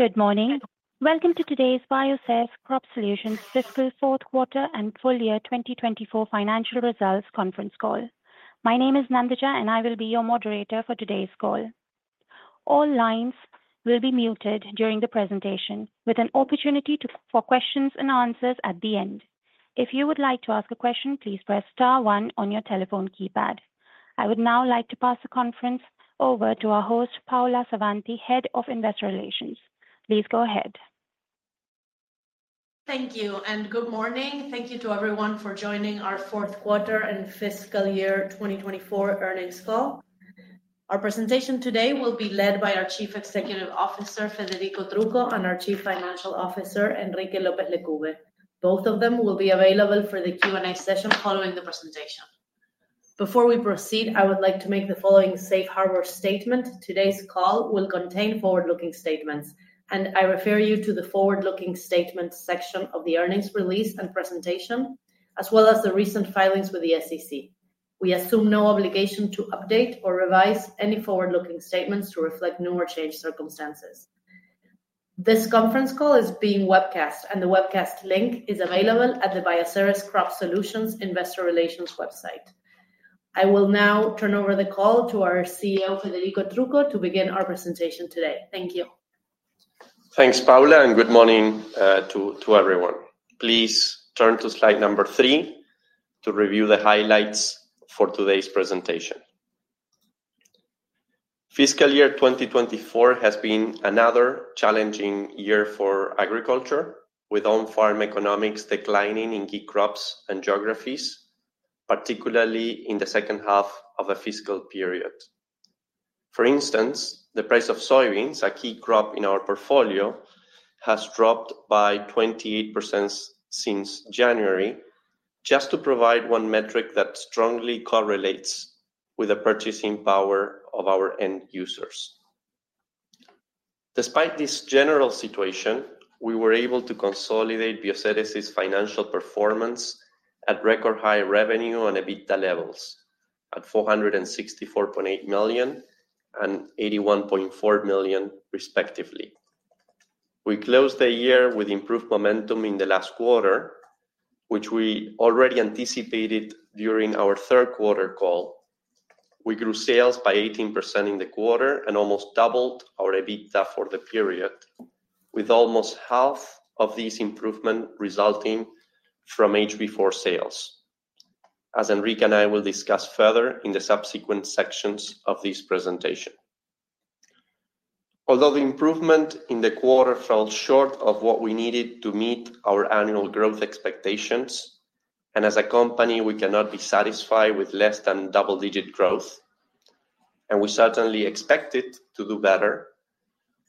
Good morning. Welcome to today's Bioceres Crop Solutions Fiscal Fourth Quarter and Full Year 2024 Financial Results conference call. My name is Nandita, and I will be your moderator for today's call. All lines will be muted during the presentation, with an opportunity for questions and answers at the end. If you would like to ask a question, please press star one on your telephone keypad. I would now like to pass the conference over to our host, Paula Savanti, Head of Investor Relations. Please go ahead. Thank you, and good morning. Thank you to everyone for joining our fourth quarter and fiscal year 2024 earnings call. Our presentation today will be led by our Chief Executive Officer, Federico Trucco, and our Chief Financial Officer, Enrique López Lecube. Both of them will be available for the Q&A session following the presentation. Before we proceed, I would like to make the following safe harbor statement. Today's call will contain forward-looking statements, and I refer you to the forward-looking statements section of the earnings release and presentation, as well as the recent filings with the SEC. We assume no obligation to update or revise any forward-looking statements to reflect new or changed circumstances. This conference call is being webcast, and the webcast link is available at the Bioceres Crop Solutions Investor Relations website. I will now turn over the call to our CEO, Federico Trucco, to begin our presentation today. Thank you. Thanks, Paula, and good morning to everyone. Please turn to slide number three to review the highlights for today's presentation. Fiscal year 2024 has been another challenging year for agriculture, with on-farm economics declining in key crops and geographies, particularly in the second half of the fiscal period. For instance, the price of soybeans, a key crop in our portfolio, has dropped by 28% since January, just to provide one metric that strongly correlates with the purchasing power of our end users. Despite this general situation, we were able to consolidate Bioceres' financial performance at record high revenue on EBITDA levels at $464.8 million and $81.4 million, respectively. We closed the year with improved momentum in the last quarter, which we already anticipated during our third quarter call. We grew sales by 18% in the quarter and almost doubled our EBITDA for the period, with almost half of this improvement resulting from HB4 sales, as Enrique and I will discuss further in the subsequent sections of this presentation. Although the improvement in the quarter fell short of what we needed to meet our annual growth expectations, and as a company, we cannot be satisfied with less than double-digit growth, and we certainly expected to do better.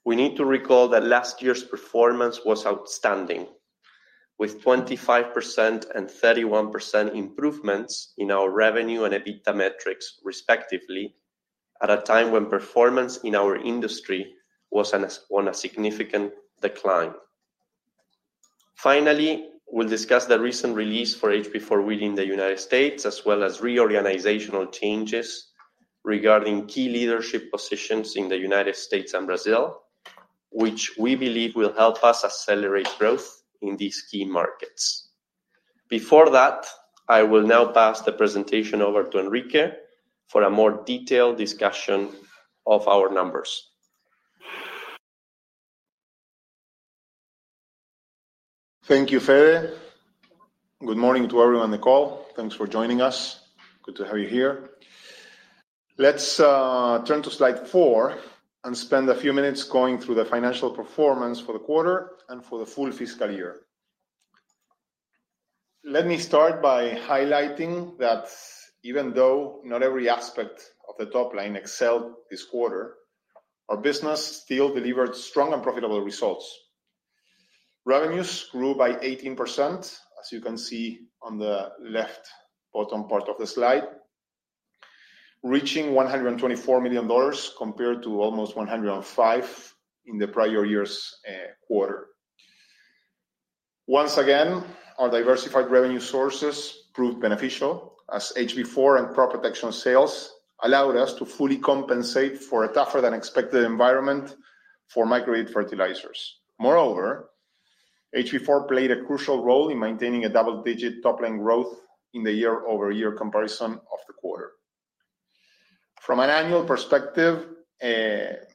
We need to recall that last year's performance was outstanding, with 25% and 31% improvements in our revenue and EBITDA metrics, respectively, at a time when performance in our industry was on a significant decline. Finally, we'll discuss the recent release for HB4 wheat in the United States, as well as reorganizational changes regarding key leadership positions in the United States and Brazil, which we believe will help us accelerate growth in these key markets. Before that, I will now pass the presentation over to Enrique for a more detailed discussion of our numbers. Thank you, Fede. Good morning to everyone on the call. Thanks for joining us. Good to have you here. Let's turn to slide four and spend a few minutes going through the financial performance for the quarter and for the full fiscal year. Let me start by highlighting that even though not every aspect of the top line excelled this quarter, our business still delivered strong and profitable results. Revenues grew by 18%, as you can see on the left bottom part of the slide, reaching $124 million, compared to almost $105 million in the prior year's quarter. Once again, our diversified revenue sources proved beneficial, as HB4 and crop protection sales allowed us to fully compensate for a tougher-than-expected environment for micro-granulated fertilizers. Moreover, HB4 played a crucial role in maintaining a double-digit top-line growth in the year-over-year comparison of the quarter. From an annual perspective, the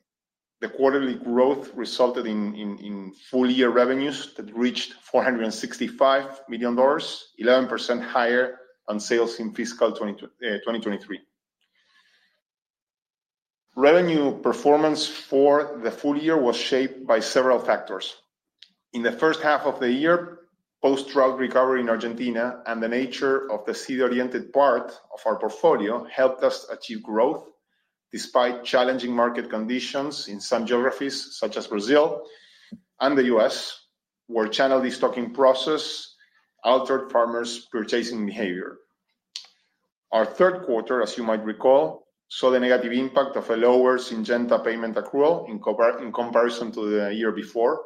quarterly growth resulted in full-year revenues that reached $465 million, 11% higher than sales in fiscal 2023. Revenue performance for the full year was shaped by several factors. In the first half of the year, post-drought recovery in Argentina and the nature of the seed-oriented part of our portfolio helped us achieve growth, despite challenging market conditions in some geographies, such as Brazil and the U.S., where channel destocking process altered farmers' purchasing behavior. Our third quarter, as you might recall, saw the negative impact of a lower Syngenta payment accrual in comparison to the year before...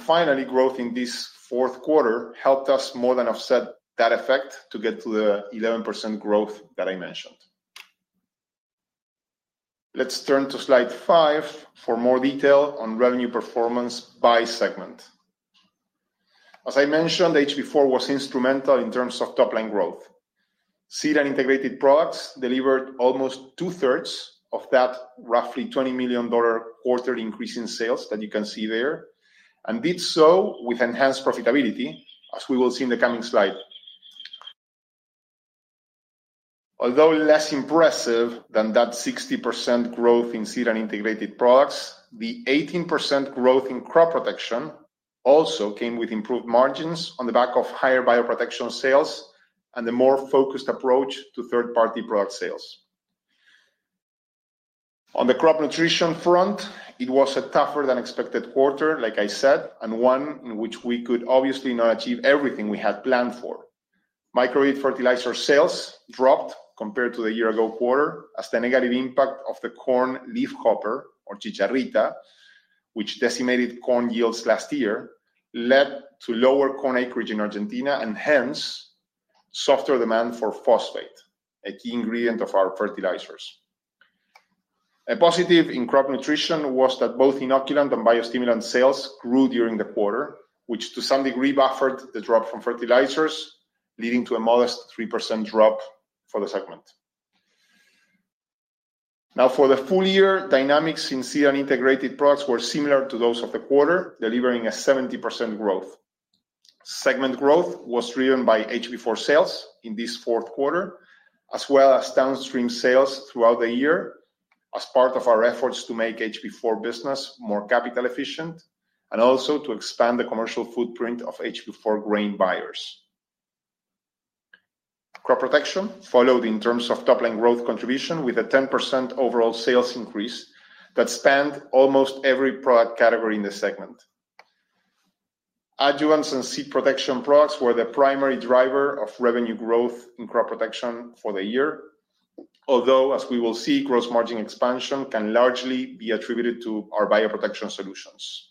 Finally, growth in this fourth quarter helped us more than offset that effect to get to the 11% growth that I mentioned. Let's turn to slide five for more detail on revenue performance by segment. As I mentioned, HB4 was instrumental in terms of top-line growth. Seed and integrated products delivered almost two-thirds of that, roughly $20 million quarterly increase in sales that you can see there, and did so with enhanced profitability, as we will see in the coming slide. Although less impressive than that 60% growth in seed and integrated products, the 18% growth in crop protection also came with improved margins on the back of higher bioprotection sales and a more focused approach to third-party product sales. On the crop nutrition front, it was a tougher than expected quarter, like I said, and one in which we could obviously not achieve everything we had planned for. Micro fertilizer sales dropped compared to the year ago quarter, as the negative impact of the corn leafhopper or chicharrita, which decimated corn yields last year, led to lower corn acreage in Argentina, and hence, softer demand for phosphate, a key ingredient of our fertilizers. A positive in crop nutrition was that both inoculant and biostimulant sales grew during the quarter, which to some degree buffered the drop from fertilizers, leading to a modest 3% drop for the segment. Now, for the full year, dynamics in seed and integrated products were similar to those of the quarter, delivering a 70% growth. Segment growth was driven by HB4 sales in this fourth quarter, as well as downstream sales throughout the year, as part of our efforts to make HB4 business more capital efficient and also to expand the commercial footprint of HB4 grain buyers. Crop protection followed in terms of top-line growth contribution with a 10% overall sales increase that spanned almost every product category in the segment. Adjuvants and seed protection products were the primary driver of revenue growth in crop protection for the year, although, as we will see, gross margin expansion can largely be attributed to our bioprotection solutions.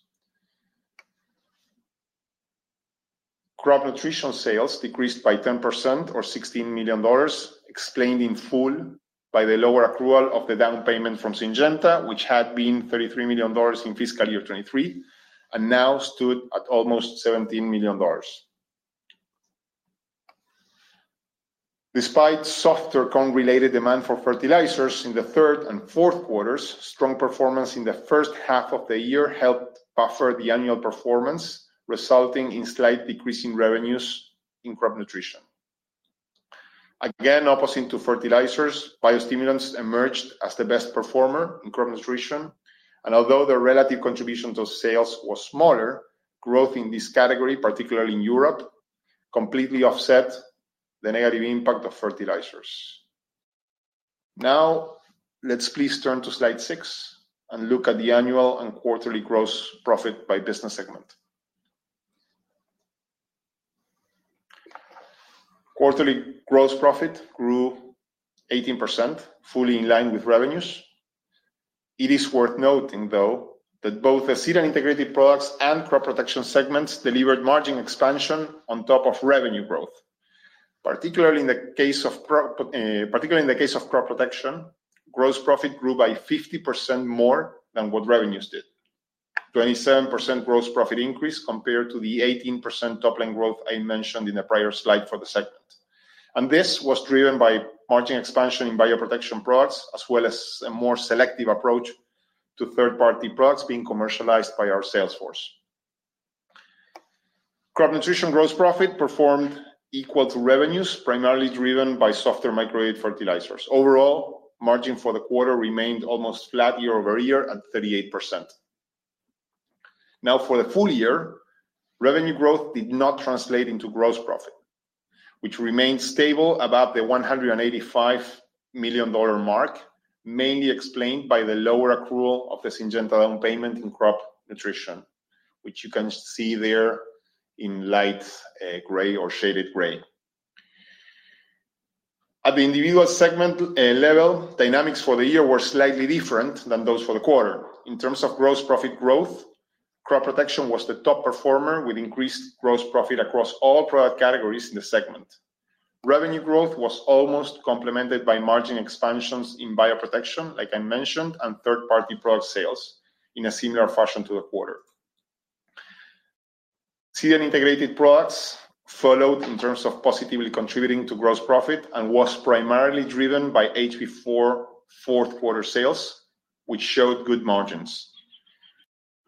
Crop nutrition sales decreased by 10% or $16 million, explained in full by the lower accrual of the down payment from Syngenta, which had been $33 million in fiscal year '23 and now stood at almost $17 million. Despite softer corn-related demand for fertilizers in the third and fourth quarters, strong performance in the first half of the year helped buffer the annual performance, resulting in slight decrease in revenues in crop nutrition. Again, opposing to fertilizers, biostimulants emerged as the best performer in crop nutrition, and although the relative contributions of sales was smaller, growth in this category, particularly in Europe, completely offset the negative impact of fertilizers. Now, let's please turn to slide six and look at the annual and quarterly gross profit by business segment. Quarterly gross profit grew 18%, fully in line with revenues. It is worth noting, though, that both the seed and integrated products and crop protection segments delivered margin expansion on top of revenue growth. Particularly in the case of ProFarm... particularly in the case of crop protection, gross profit grew by 50% more than what revenues did. 27% gross profit increase compared to the 18% top-line growth I mentioned in the prior slide for the segment. And this was driven by margin expansion in bioprotection products, as well as a more selective approach to third-party products being commercialized by our sales force. Crop nutrition gross profit performed equal to revenues, primarily driven by softer micro fertilizers. Overall, margin for the quarter remained almost flat year over year at 38%. Now, for the full year, revenue growth did not translate into gross profit, which remained stable above the $185 million mark, mainly explained by the lower accrual of the Syngenta down payment in crop nutrition, which you can see there in light, gray or shaded gray. At the individual segment level, dynamics for the year were slightly different than those for the quarter. In terms of Gross Profit growth, Crop Protection was the top performer with increased Gross Profit across all product categories in the segment. Revenue growth was almost complemented by margin expansions in bioprotection, like I mentioned, and third-party product sales in a similar fashion to the quarter. Seed and Integrated Products followed in terms of positively contributing to Gross Profit and was primarily driven by HB4 fourth quarter sales, which showed good margins.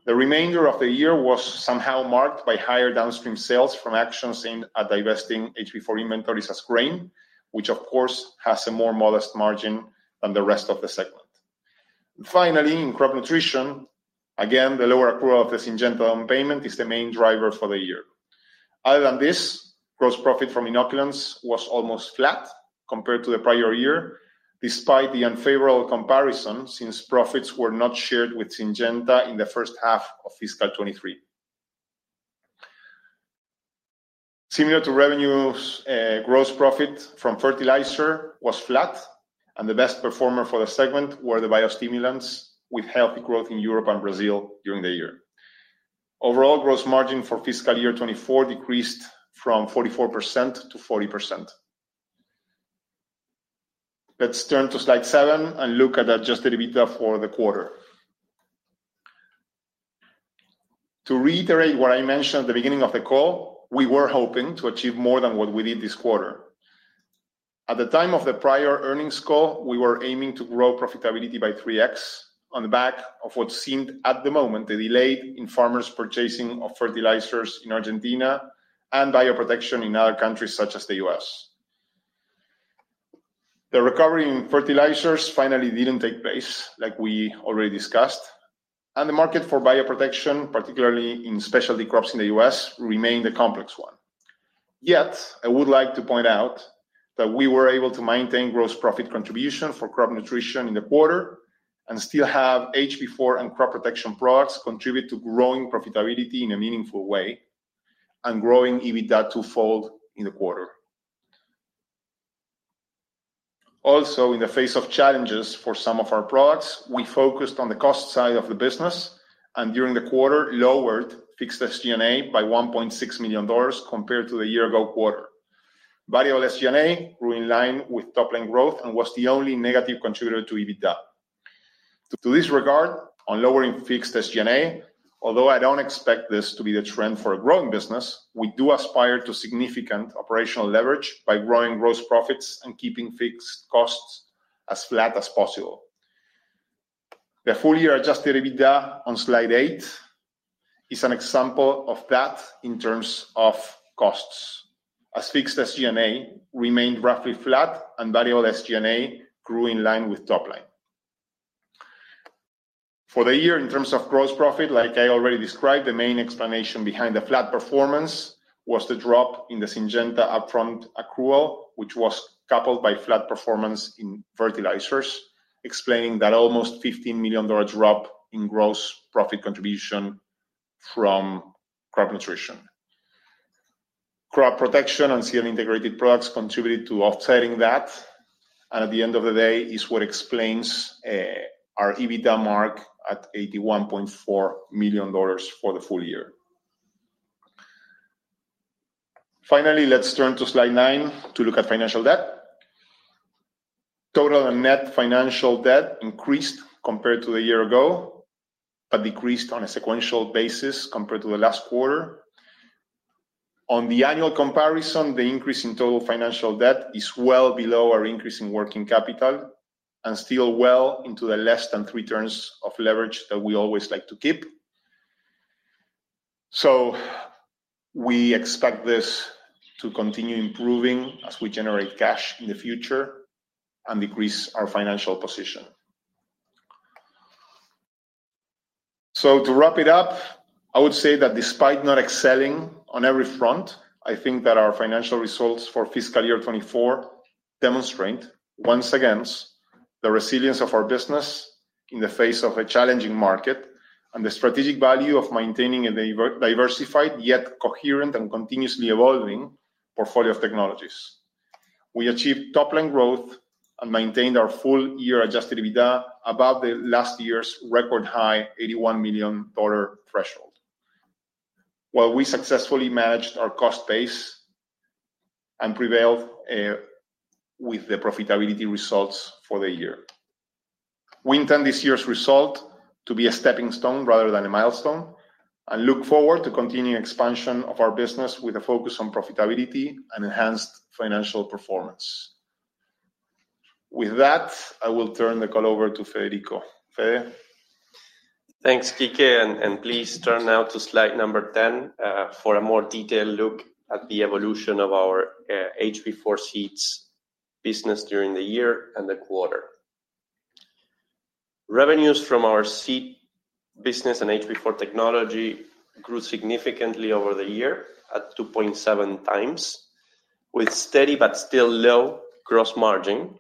The remainder of the year was somehow marked by higher downstream sales from actions in divesting HB4 inventories as grain, which of course has a more modest margin than the rest of the segment. Finally, in Crop Nutrition, again, the lower accrual of the Syngenta down payment is the main driver for the year. Other than this, gross profit from inoculants was almost flat compared to the prior year, despite the unfavorable comparison, since profits were not shared with Syngenta in the first half of fiscal 2023. Similar to revenues, gross profit from fertilizer was flat, and the best performer for the segment were the biostimulants, with healthy growth in Europe and Brazil during the year. Overall, gross margin for fiscal year '24 decreased from 44%-40%. Let's turn to slide seven and look at Adjusted EBITDA for the quarter. To reiterate what I mentioned at the beginning of the call, we were hoping to achieve more than what we did this quarter. At the time of the prior earnings call, we were aiming to grow profitability by 3x, on the back of what seemed, at the moment, the delay in farmers purchasing of fertilizers in Argentina and bioprotection in other countries, such as the U.S. The recovery in fertilizers finally didn't take place, like we already discussed, and the market for bioprotection, particularly in specialty crops in the U.S., remained a complex one. Yet, I would like to point out that we were able to maintain gross profit contribution for crop nutrition in the quarter, and still have HB4 and crop protection products contribute to growing profitability in a meaningful way, and growing EBITDA twofold in the quarter. Also, in the face of challenges for some of our products, we focused on the cost side of the business, and during the quarter, lowered fixed SG&A by $1.6 million compared to the year ago quarter. Variable SG&A grew in line with top-line growth and was the only negative contributor to EBITDA. To this regard, on lowering fixed SG&A, although I don't expect this to be the trend for a growing business, we do aspire to significant operational leverage by growing gross profits and keeping fixed costs as flat as possible. The full year adjusted EBITDA on slide eight is an example of that in terms of costs, as fixed SG&A remained roughly flat and variable SG&A grew in line with top line. For the year, in terms of gross profit, like I already described, the main explanation behind the flat performance was the drop in the Syngenta upfront accrual, which was coupled by flat performance in fertilizers, explaining that almost $15 million drop in gross profit contribution from crop nutrition. Crop protection and seed integrated products contributed to offsetting that, and at the end of the day, is what explains our EBITDA mark at $81.4 million for the full year. Finally, let's turn to slide nine to look at financial debt. Total and net financial debt increased compared to a year ago, but decreased on a sequential basis compared to the last quarter. On the annual comparison, the increase in total financial debt is well below our increase in working capital and still well into the less than three turns of leverage that we always like to keep. We expect this to continue improving as we generate cash in the future and decrease our financial position. To wrap it up, I would say that despite not excelling on every front, I think that our financial results for fiscal year '24 demonstrate, once again, the resilience of our business in the face of a challenging market, and the strategic value of maintaining a diversified, yet coherent and continuously evolving portfolio of technologies. We achieved top-line growth and maintained our full-year Adjusted EBITDA above the last year's record high, $81 million threshold. While we successfully managed our cost base and prevailed with the profitability results for the year. We intend this year's result to be a stepping stone rather than a milestone, and look forward to continuing expansion of our business with a focus on profitability and enhanced financial performance. With that, I will turn the call over to Federico. Fede? Thanks, Quique, and please turn now to slide number 10, for a more detailed look at the evolution of our HB4 seeds business during the year and the quarter. Revenues from our seed business and HB4 technology grew significantly over the year at 2.7 times, with steady but still low gross margin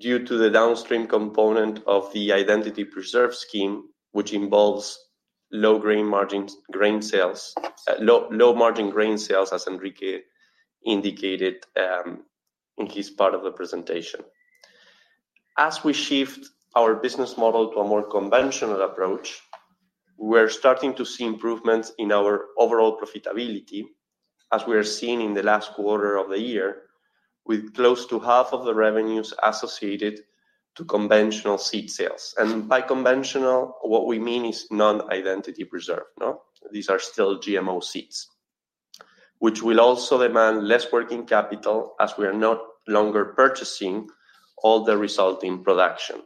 due to the downstream component of the identity preserved scheme, which involves low grain margins, grain sales, low margin grain sales, as Enrique indicated, in his part of the presentation. As we shift our business model to a more conventional approach, we're starting to see improvements in our overall profitability, as we are seeing in the last quarter of the year, with close to half of the revenues associated to conventional seed sales. By conventional, what we mean is non-identity preserved, no? These are still GMO seeds, which will also demand less working capital, as we are no longer purchasing all the resulting production.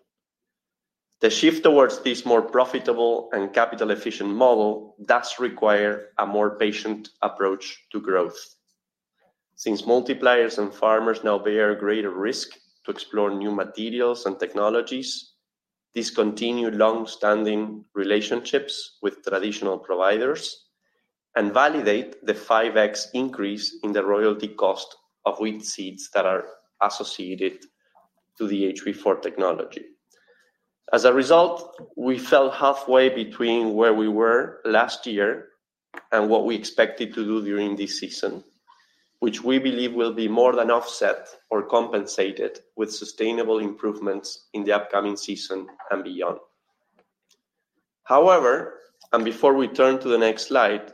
The shift towards this more profitable and capital-efficient model does require a more patient approach to growth. Since multipliers and farmers now bear greater risk to explore new materials and technologies, discontinue long-standing relationships with traditional providers, and validate the five X increase in the royalty cost of wheat seeds that are associated to the HB4 technology. As a result, we fell halfway between where we were last year and what we expected to do during this season, which we believe will be more than offset or compensated with sustainable improvements in the upcoming season and beyond. However, and before we turn to the next slide,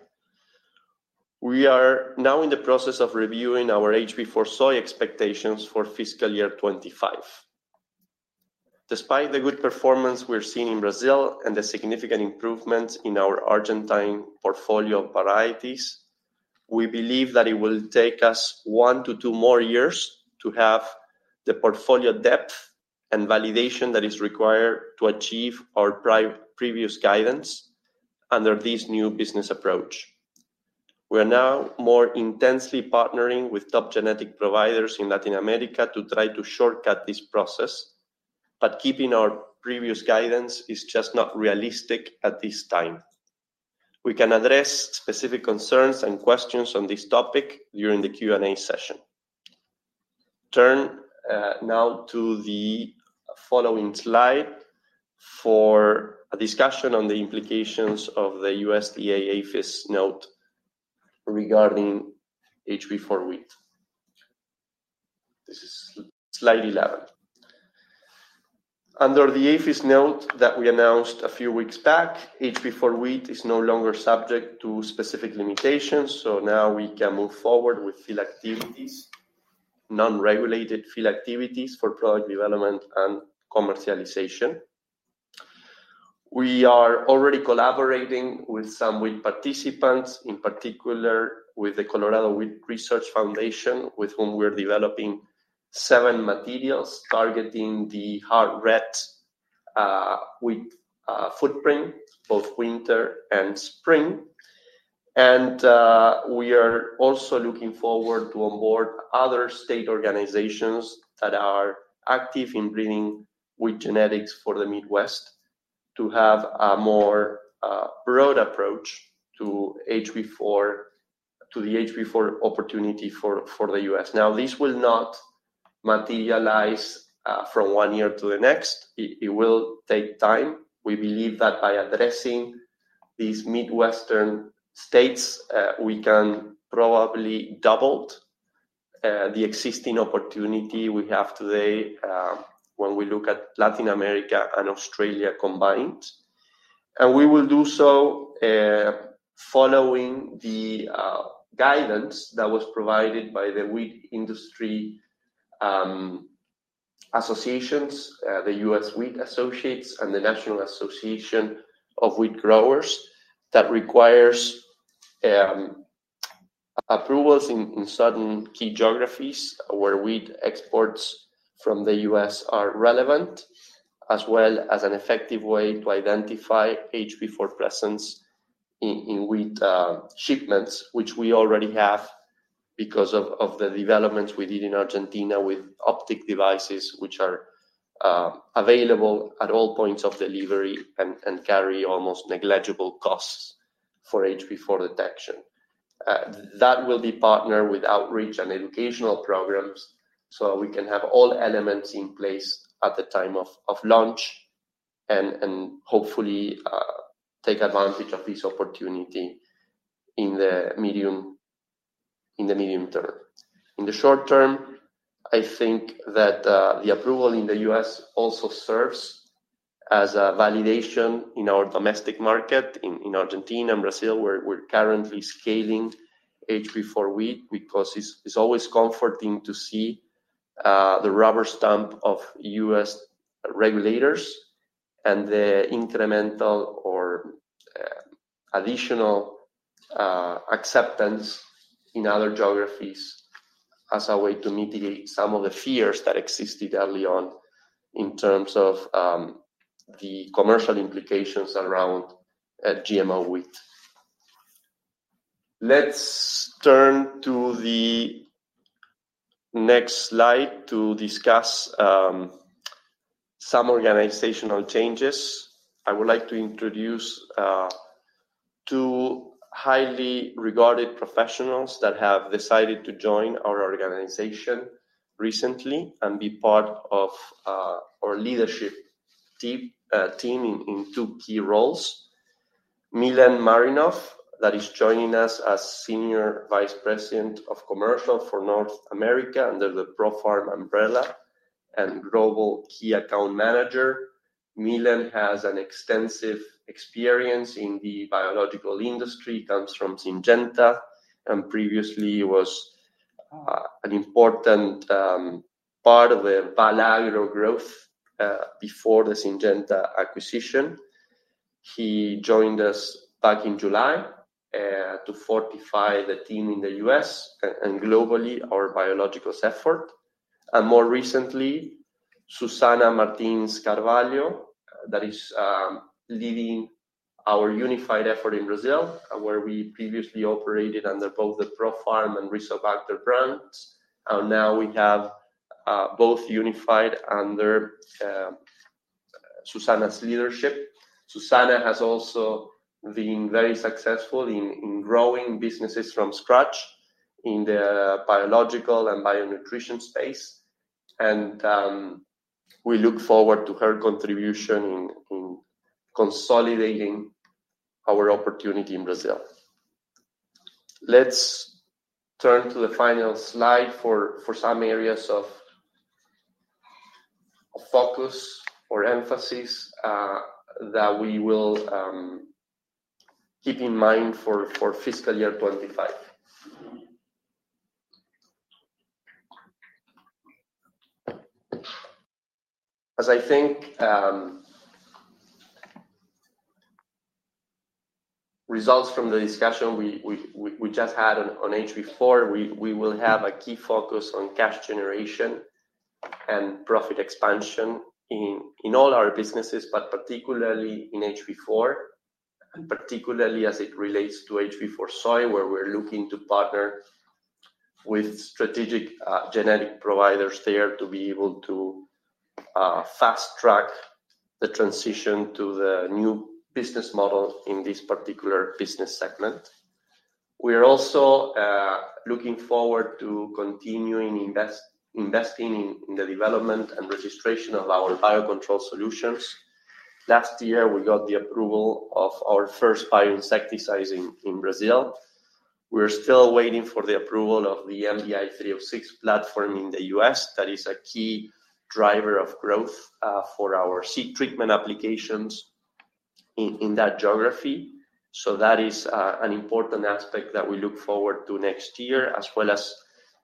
we are now in the process of reviewing our HB4 soy expectations for fiscal year '25. Despite the good performance we're seeing in Brazil and the significant improvements in our Argentine portfolio of varieties, we believe that it will take us one to two more years to have the portfolio depth and validation that is required to achieve our previous guidance under this new business approach. We are now more intensely partnering with top genetic providers in Latin America to try to shortcut this process, but keeping our previous guidance is just not realistic at this time. We can address specific concerns and questions on this topic during the Q&A session. Turn now to the following slide for a discussion on the implications of the USDA APHIS note regarding HB4 wheat. This is slide eleven. Under the APHIS note that we announced a few weeks back, HB4 wheat is no longer subject to specific limitations, so now we can move forward with field activities, non-regulated field activities for product development and commercialization. We are already collaborating with some wheat participants, in particular with the Colorado Wheat Research Foundation, with whom we are developing seven materials targeting the hard red wheat footprint, both winter and spring. We are also looking forward to onboard other state organizations that are active in breeding wheat genetics for the Midwest to have a more broad approach to the HB4 opportunity for the U.S. Now, this will not materialize from one year to the next. It will take time. We believe that by addressing these Midwestern states, we can probably double the existing opportunity we have today when we look at Latin America and Australia combined. And we will do so following the guidance that was provided by the wheat industry associations, the U.S. Wheat Associates and the National Association of Wheat Growers, that requires approvals in certain key geographies where wheat exports from the U.S. are relevant, as well as an effective way to identify HB4 presence in wheat shipments, which we already have because of the developments we did in Argentina with optic devices, which are available at all points of delivery and carry almost negligible costs for HB4 detection. That will be partnered with outreach and educational programs, so we can have all elements in place at the time of launch and hopefully take advantage of this opportunity in the medium term. In the short term, I think that the approval in the U.S. also serves as a validation in our domestic market. In Argentina and Brazil, we're currently scaling HB4 wheat because it's always comforting to see the rubber stamp of U.S. regulators and the incremental or additional acceptance in other geographies as a way to mitigate some of the fears that existed early on in terms of the commercial implications around GMO wheat. Let's turn to the next slide to discuss some organizational changes. I would like to introduce two highly regarded professionals that have decided to join our organization recently and be part of our leadership team in two key roles. Milan Marrone, that is joining us as Senior Vice President of Commercial for North America under the ProFarm umbrella and Global Key Account Manager. Milan has an extensive experience in the biological industry. He comes from Syngenta, and previously was an important part of the Valagro growth before the Syngenta acquisition. He joined us back in July to fortify the team in the U.S. and globally our biologicals effort. And more recently, Susana Martins Carvalho, that is leading our unified effort in Brazil, where we previously operated under both the ProFarm and Rizobacter brands, and now we have both unified under Susana's leadership. Susana has also been very successful in growing businesses from scratch in the biological and bio nutrition space, and we look forward to her contribution in consolidating our opportunity in Brazil. Let's turn to the final slide for some areas of focus or emphasis that we will keep in mind for fiscal year '25. As I think results from the discussion we just had on HB4, we will have a key focus on cash generation and profit expansion in all our businesses, but particularly in HB4, and particularly as it relates to HB4 Soy, where we're looking to partner with strategic genetic providers there to be able to fast-track the transition to the new business model in this particular business segment. We are also looking forward to continuing investing in the development and registration of our biocontrol solutions. Last year, we got the approval of our first bioinsecticides in Brazil. We're still waiting for the approval of the MBI-306 platform in the U.S. That is a key driver of growth for our seed treatment applications in that geography. So that is an important aspect that we look forward to next year, as well as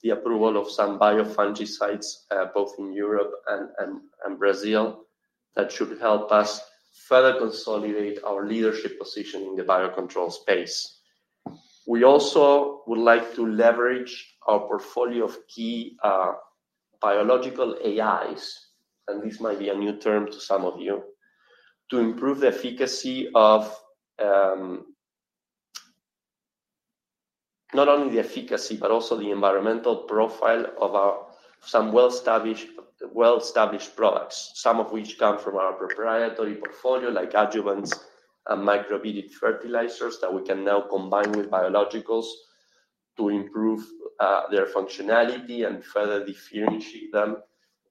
the approval of some biofungicides both in Europe and Brazil. That should help us further consolidate our leadership position in the biocontrol space. We also would like to leverage our portfolio of key biological AIs, and this might be a new term to some of you, to improve the efficacy of... Not only the efficacy, but also the environmental profile of some well-established products. Some of which come from our proprietary portfolio, like adjuvants and micro-granulated fertilizers, that we can now combine with biologicals to improve their functionality and further differentiate them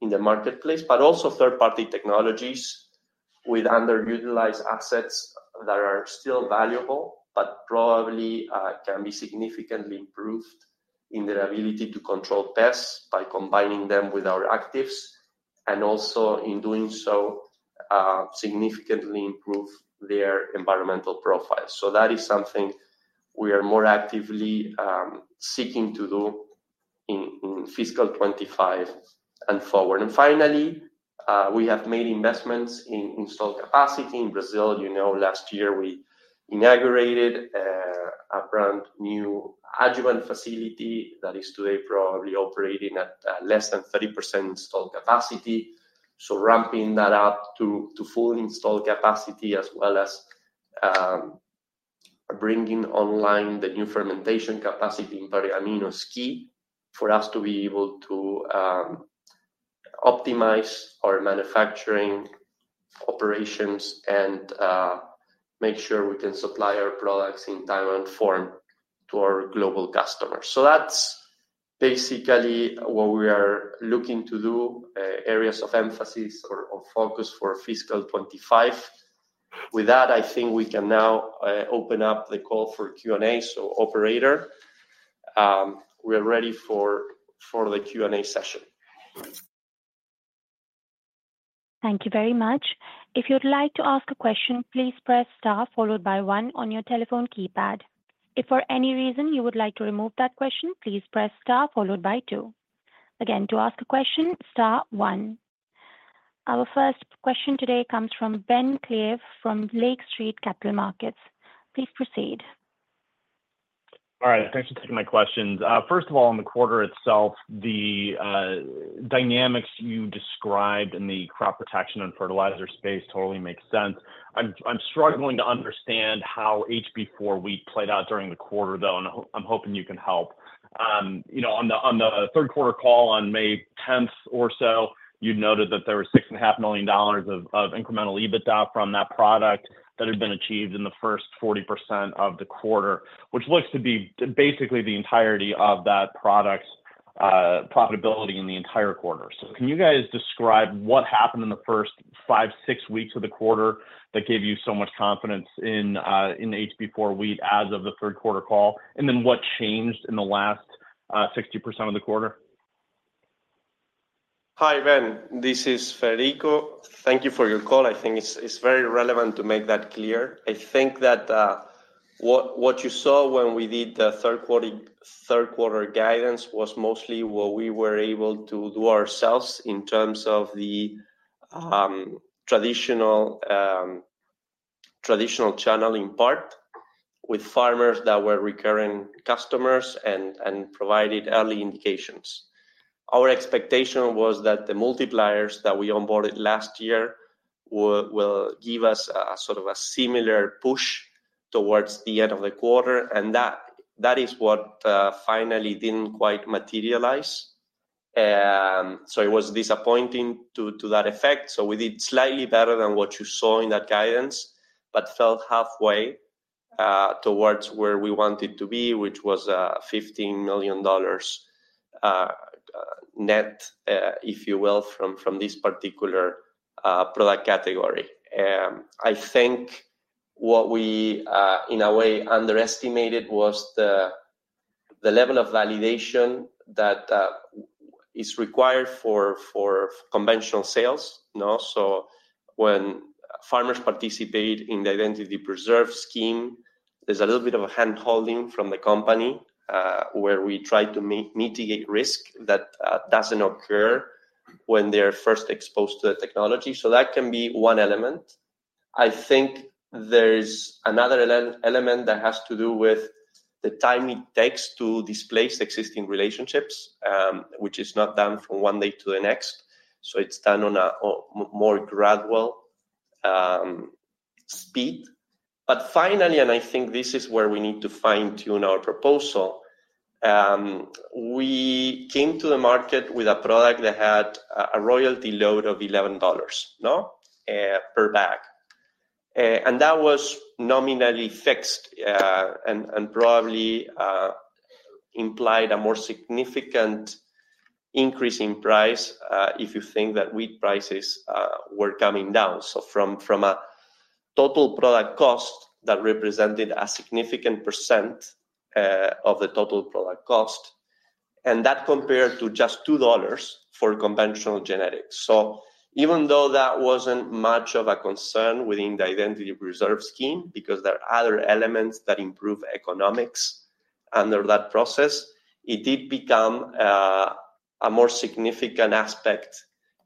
in the marketplace. But also third-party technologies with underutilized assets that are still valuable, but probably can be significantly improved in their ability to control pests by combining them with our actives, and also in doing so, significantly improve their environmental profile. So that is something we are more actively seeking to do in fiscal '25 and forward. And finally, we have made investments in installed capacity in Brazil. Last year we inaugurated a brand-new adjuvant facility that is today probably operating at less than 30% installed capacity. Ramping that up to full installed capacity, as well as bringing online the new fermentation capacity in Pergamino is key for us to be able to optimize our manufacturing operations and make sure we can supply our products in time and form to our global customers. That's basically what we are looking to do, areas of emphasis or focus for fiscal '25. With that, I think we can now open up the call for Q&A. Operator, we are ready for the Q&A session. Thank you very much. If you'd like to ask a question, please press Star followed by one on your telephone keypad. If for any reason you would like to remove that question, please press Star followed by two. Again, to ask a question, Star one. Our first question today comes from Ben Klieve from Lake Street Capital Markets. Please proceed. All right, thanks for taking my questions. First of all, on the quarter itself, the dynamics you described in the crop protection and fertilizer space totally makes sense. I'm struggling to understand how HB4 wheat played out during the quarter, though, and I'm hoping you can help. On the third quarter call on May tenth or so, you noted that there was $6.5 million of incremental EBITDA from that product that had been achieved in the first 40% of the quarter, which looks to be basically the entirety of that product's profitability in the entire quarter. So can you guys describe what happened in the first five, six weeks of the quarter that gave you so much confidence in the HB4 wheat as of the third quarter call? And then what changed in the last 60% of the quarter? Hi, Ben. This is Federico. Thank you for your call. I think it's very relevant to make that clear. I think that what you saw when we did the third quarter guidance was mostly what we were able to do ourselves in terms of the traditional channel, in part with farmers that were recurring customers and provided early indications. Our expectation was that the multipliers that we onboarded last year will give us a sort of a similar push towards the end of the quarter, and that is what finally didn't quite materialize. So it was disappointing to that effect. So we did slightly better than what you saw in that guidance, but fell halfway towards where we wanted to be, which was $15 million net, if you will, from this particular product category. I think what we in a way underestimated was the level of validation that is required for conventional sales. When farmers participate in the identity preserved scheme, there's a little bit of a handholding from the company, where we try to mitigate risk that doesn't occur when they're first exposed to the technology. So that can be one element. I think there is another element that has to do with the time it takes to displace existing relationships, which is not done from one day to the next. It's done on a more gradual speed. But finally, and I think this is where we need to fine-tune our proposal, we came to the market with a product that had a royalty load of $11, no? per bag. And that was nominally fixed, and probably implied a more significant increase in price, if you think that wheat prices were coming down. So from a total product cost, that represented a significant percent of the total product cost, and that compared to just $2 for conventional genetics. So even though that wasn't much of a concern within the identity preserved scheme, because there are other elements that improve economics under that process, it did become a more significant aspect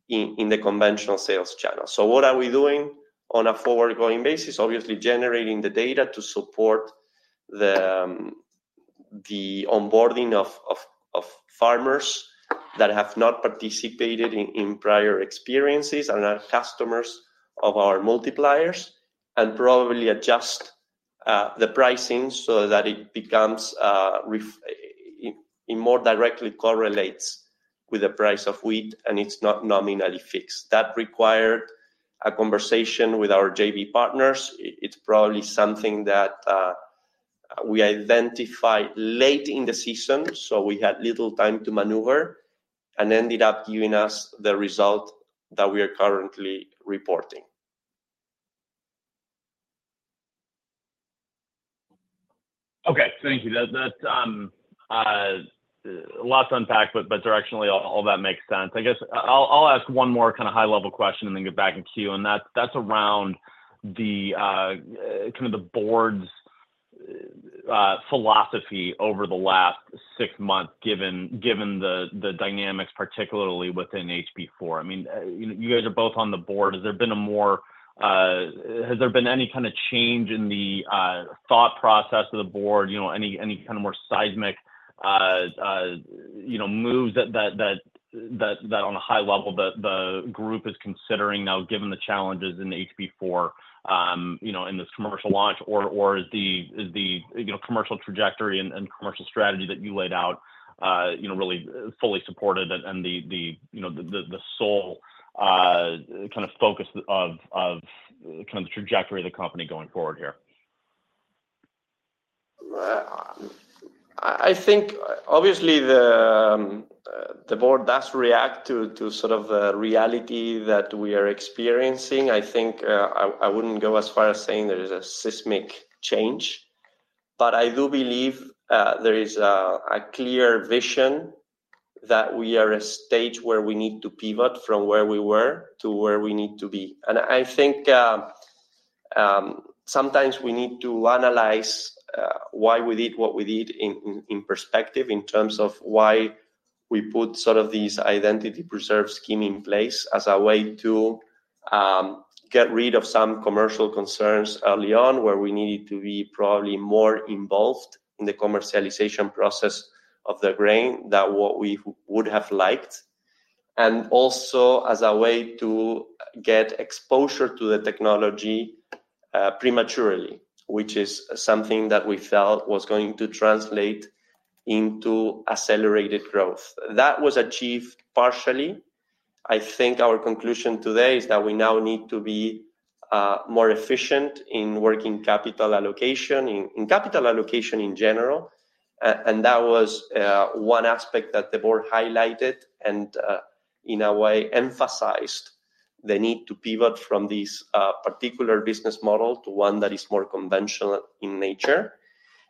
in the conventional sales channel. So what are we doing on a forward-going basis? Obviously, generating the data to support the onboarding of farmers that have not participated in prior experiences and are customers of our multipliers. And probably adjust the pricing so that it more directly correlates with the price of wheat, and it's not nominally fixed. That required a conversation with our JV partners. It's probably something that we identified late in the season, so we had little time to maneuver, and ended up giving us the result that we are currently reporting. Okay, thank you. That lots to unpack, but directionally, all that makes sense. I guess I'll ask one more kind of high-level question and then get back in queue, and that's around the kind of the board's philosophy over the last six months, given the dynamics, particularly within HB4. I mean, you guys are both on the board. Has there been a more... Has there been any kind of change in the thought process of the board, any kind of more seismic moves that on a high level, the group is considering now, given the challenges in the HB4 in this commercial launch? Is the commercial trajectory and commercial strategy that you laid out, really fully supported and the sole kind of focus of the trajectory of the company going forward here? I think obviously the board does react to sort of the reality that we are experiencing. I think I wouldn't go as far as saying there is a seismic change, but I do believe there is a clear vision that we are at a stage where we need to pivot from where we were to where we need to be. And I think sometimes we need to analyze why we did what we did in perspective, in terms of why we put sort of this identity preserved scheme in place, as a way to get rid of some commercial concerns early on, where we needed to be probably more involved in the commercialization process of the grain than what we would have liked. And also as a way to get exposure to the technology, prematurely, which is something that we felt was going to translate into accelerated growth. That was achieved partially. I think our conclusion today is that we now need to be more efficient in working capital allocation, in capital allocation in general. And that was one aspect that the board highlighted and, in a way, emphasized the need to pivot from this particular business model to one that is more conventional in nature.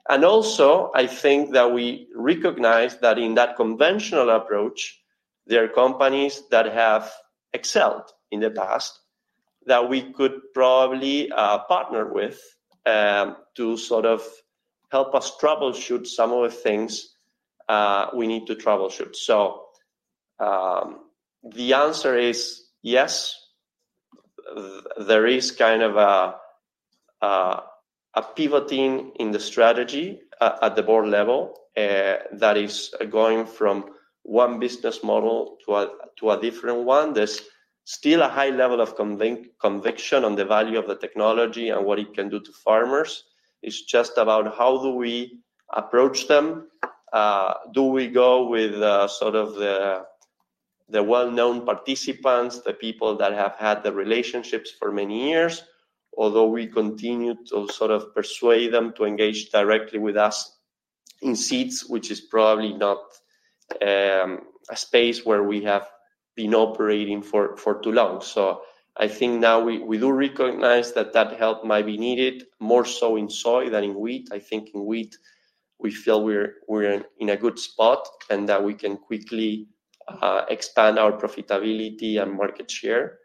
And also, I think that we recognize that in that conventional approach, there are companies that have excelled in the past that we could probably partner with, to sort of help us troubleshoot some of the things we need to troubleshoot. So, the answer is yes, there is kind of a pivoting in the strategy at the board level, that is going from one business model to a different one. There's still a high level of conviction on the value of the technology and what it can do to farmers. It's just about how do we approach them? Do we go with sort of the well-known participants, the people that have had the relationships for many years? Although we continue to sort of persuade them to engage directly with us in seeds, which is probably not a space where we have been operating for too long. So I think now we do recognize that that help might be needed more so in soy than in wheat. I think in wheat, we feel we're in a good spot, and that we can quickly expand our profitability and market share.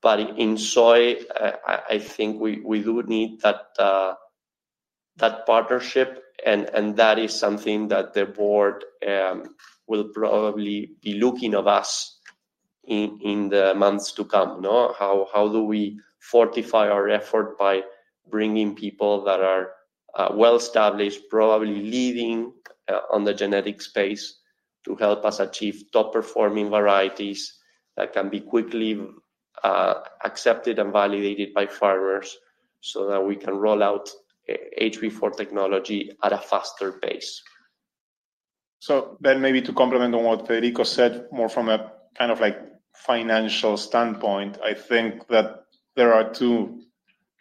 But in soy, I think we do need that partnership, and that is something that the board will probably be looking of us in the months to come, no? How do we fortify our effort by bringing people that are well-established, probably leading on the genetic space, to help us achieve top-performing varieties that can be quickly accepted and validated by farmers so that we can roll out HB4 technology at a faster pace. So then maybe to comment on what Federico said, more from a kind of like financial standpoint, I think that there are two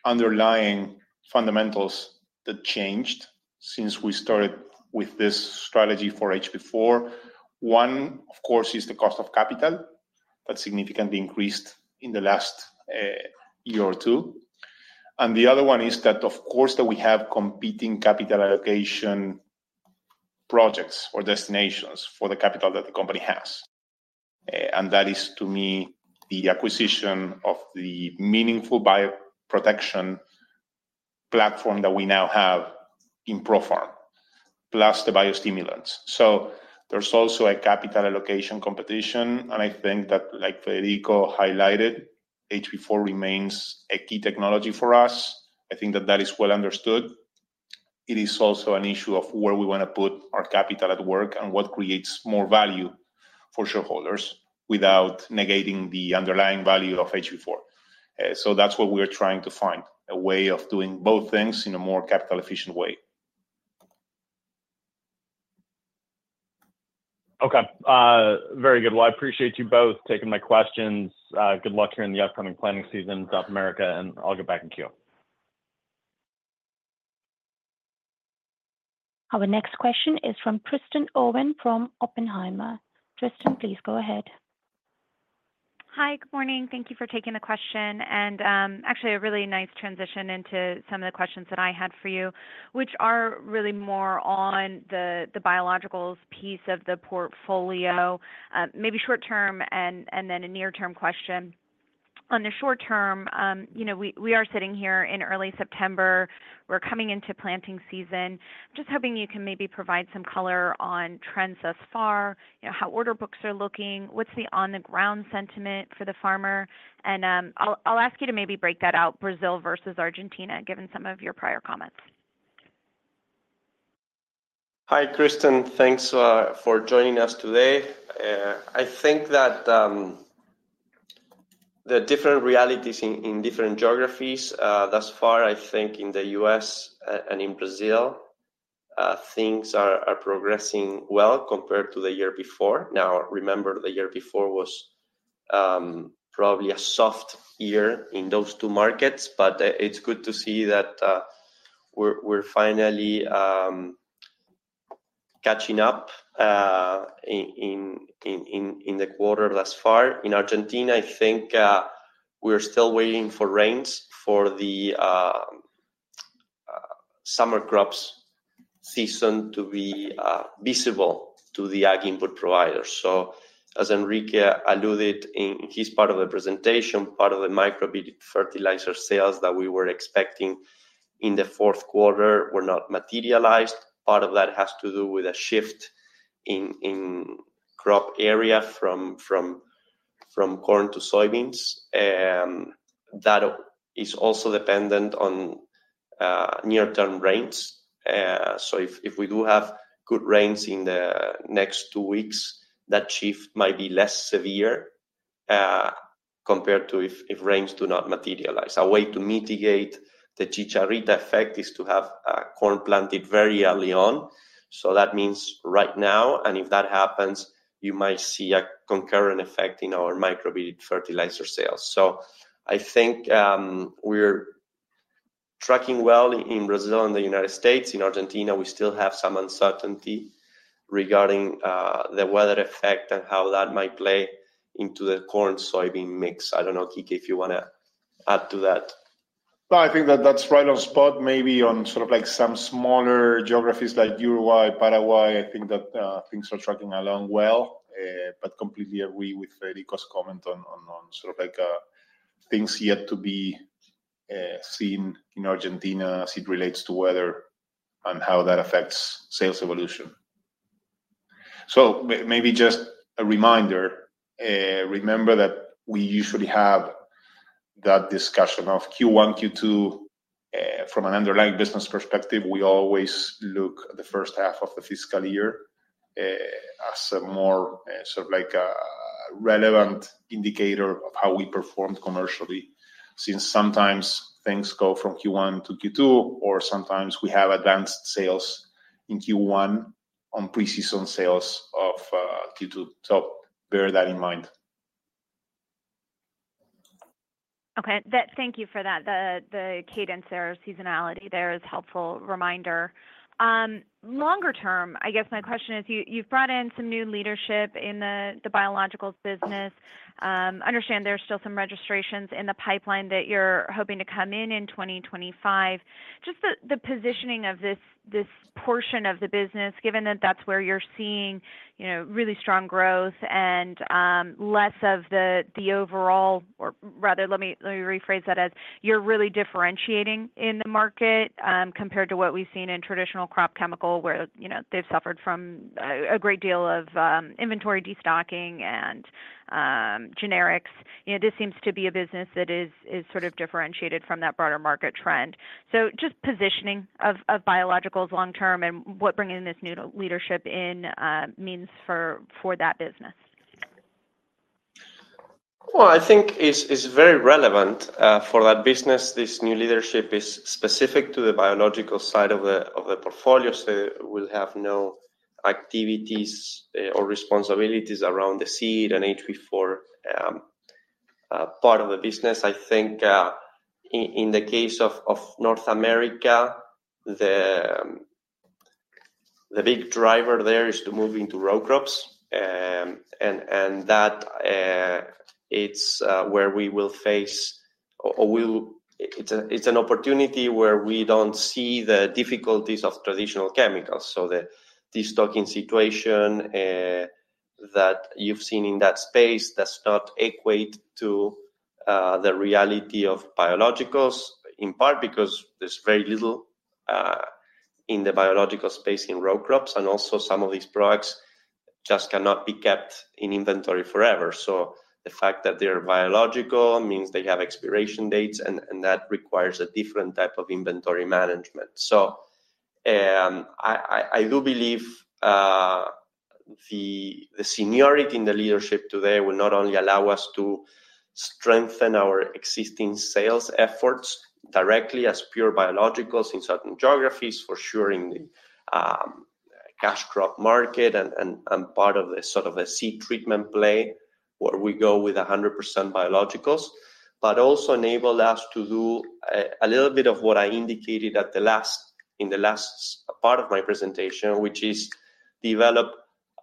underlying fundamentals that changed since we started with this strategy for HB4. One, of course, is the cost of capital. That significantly increased in the last year or two. And the other one is that, of course, that we have competing capital allocation projects or destinations for the capital that the company has. And that is, to me, the acquisition of the meaningful bioprotection platform that we now have in ProFarm, plus the biostimulants. So there's also a capital allocation competition, and I think that, like Federico highlighted, HB4 remains a key technology for us. I think that that is well understood. It is also an issue of where we want to put our capital at work, and what creates more value for shareholders without negating the underlying value of HB4. So that's what we are trying to find, a way of doing both things in a more capital-efficient way. Okay. Very good. Well, I appreciate you both taking my questions. Good luck here in the upcoming planting season in South America, and I'll get back in queue. Our next question is from Kristen Owen from Oppenheimer. Kristen, please go ahead. Hi. Good morning, thank you for taking the question and, actually, a really nice transition into some of the questions that I had for you, which are really more on the biologicals piece of the portfolio. Maybe short term and then a near-term question. On the short term, we are sitting here in early September, we're coming into planting season. Just hoping you can maybe provide some color on trends thus far, how order books are looking, what's the on-the-ground sentiment for the farmer? And, I'll ask you to maybe break that out, Brazil versus Argentina, given some of your prior comments. Hi, Kristin. Thanks for joining us today. I think that the different realities in different geographies thus far, I think in the US and in Brazil, things are progressing well compared to the year before. Now, remember, the year before was probably a soft year in those two markets, but it's good to see that we're finally catching up in the quarter thus far. In Argentina, I think we're still waiting for rains for the summer crops season to be visible to the ag input providers. So as Enrique alluded in his part of the presentation, part of the microbial fertilizer sales that we were expecting in the fourth quarter were not materialized. Part of that has to do with a shift in crop area from corn to soybeans, that is also dependent on near-term rains, so if we do have good rains in the next two weeks, that shift might be less severe compared to if rains do not materialize. A way to mitigate the chicharrita effect is to have corn planted very early on, so that means right now, and if that happens, you might see a concurrent effect in our microbial fertilizer sales, so I think we're tracking well in Brazil and the United States. In Argentina, we still have some uncertainty regarding the weather effect and how that might play into the corn-soybean mix. I don't know, Kike, if you want to add to that. No, I think that that's right on spot. Maybe on sort of like some smaller geographies like Uruguay, Paraguay, I think that things are tracking along well, but completely agree with Federico's comment on sort of like things yet to be seen in Argentina as it relates to weather and how that affects sales evolution. So maybe just a reminder, remember that we usually have that discussion of Q1, Q2. From an underlying business perspective, we always look at the first half of the fiscal year. As a more, sort of like a relevant indicator of how we performed commercially, since sometimes things go from Q1-Q2, or sometimes we have advanced sales in Q1 on pre-season sales of, Q2. So bear that in mind. Okay. Thank you for that. The cadence there, seasonality there is helpful reminder. Longer term, I guess my question is, you, you've brought in some new leadership in the biologicals business. Understand there's still some registrations in the pipeline that you're hoping to come in in 2025. Just the positioning of this portion of the business, given that that's where you're seeing really strong growth and, less of the overall or rather, let me rephrase that as, you're really differentiating in the market, compared to what we've seen in traditional crop chemical, where they've suffered from a great deal of, inventory destocking and, generics. This seems to be a business that is sort of differentiated from that broader market trend. So just positioning of biologicals long-term, and what bringing this new leadership in means for that business? I think it's very relevant for that business. This new leadership is specific to the biological side of the portfolio, so we'll have no activities or responsibilities around the seed and HB4 part of the business. I think in the case of North America, the big driver there is to move into row crops, and that it's where we will face or it's an opportunity where we don't see the difficulties of traditional chemicals, so the destocking situation that you've seen in that space does not equate to the reality of biologicals, in part because there's very little in the biological space in row crops, and also some of these products just cannot be kept in inventory forever. The fact that they're biological means they have expiration dates, and that requires a different type of inventory management. I do believe the seniority in the leadership today will not only allow us to strengthen our existing sales efforts directly as pure biologicals in certain geographies, for sure in the cash crop market and part of the sort of a seed treatment play, where we go with 100% biologicals, but also enable us to do a little bit of what I indicated in the last part of my presentation, which is develop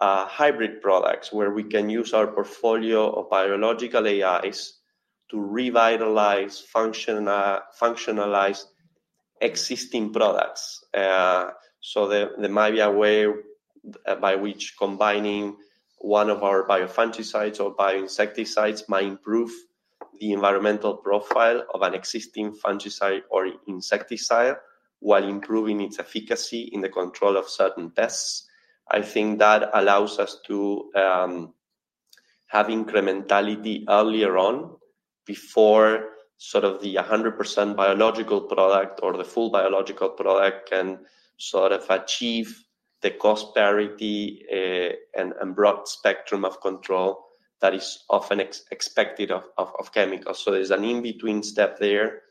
hybrid products, where we can use our portfolio of biological AIs to revitalize function, functionalize existing products. So there might be a way by which combining one of our biofungicides or bioinsecticides might improve the environmental profile of an existing fungicide or insecticide while improving its efficacy in the control of certain pests. I think that allows us to have incrementality earlier on, before sort of the 100% biological product or the full biological product can sort of achieve the cost parity, and broad spectrum of control that is often expected of chemicals. So there's an in-between step there